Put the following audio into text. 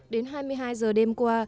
đến hai mươi hai giờ đêm qua